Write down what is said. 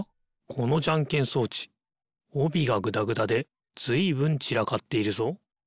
このじゃんけん装置おびがぐだぐだでずいぶんちらかっているぞ。